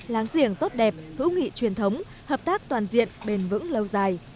láng giềng tốt đẹp hữu nghị truyền thống hợp tác toàn diện bền vững lâu dài